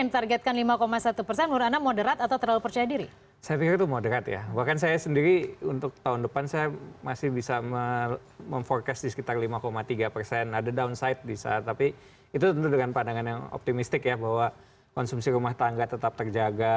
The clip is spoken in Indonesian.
tapi itu tentu dengan pandangan yang optimistik ya bahwa konsumsi rumah tangga tetap terjaga